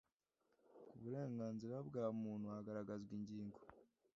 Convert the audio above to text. ku burenganzira bwa muntu hagaragazwa ingingo